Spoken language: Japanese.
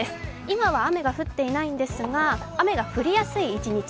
今は雨が降っていないんですが、雨が降りやすい一日。